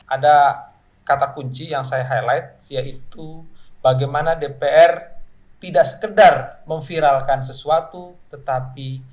ada kata kunci yang saya highlight yaitu bagaimana dpr tidak sekedar memviralkan sesuatu tetapi